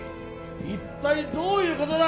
一体どういうことだ？